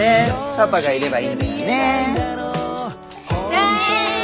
パパがいればいいんだよね？